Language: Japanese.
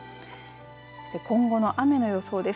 そして今後の雨の予想です。